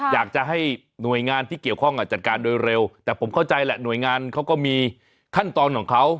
อยากจะให้หน่วยงานที่เกี่ยวข้องจัดการโดยเร็วแต่ผมเข้าใจแหละหน่วยงานเขาก็มีขั้นตอนของเขา